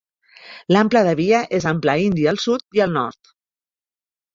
L'ample de via és ample indi al sud i al nord.